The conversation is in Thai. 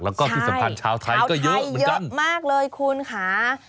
แล้วก็ที่สำคัญชาวไทยก็เยอะเหมือนกันชาวไทยเยอะมากเลยคุณค่ะ